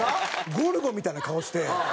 ゴルゴみたいな顔して。